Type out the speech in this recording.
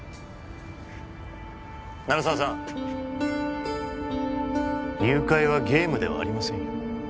鳴沢さん誘拐はゲームではありませんよ